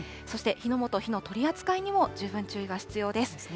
そして火の元、火の取り扱いにも十分注意が必要です。